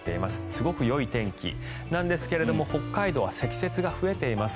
すごくよい天気なんですが北海道は積雪が増えています。